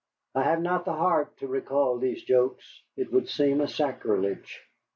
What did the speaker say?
I have not the heart to recall these jokes, it would seem a sacrilege.